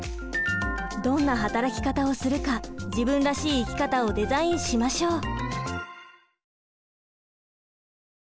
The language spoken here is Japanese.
どんな働き方をするか自分らしい生き方をデザインしましょう。